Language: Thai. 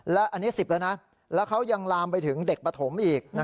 และอันนี้๑๐แล้วนะแล้วเขายังลามไปถึงเด็กปฐมอีก